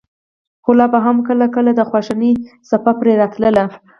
خو لا به هم کله کله د خواشينۍڅپه پرې راتله.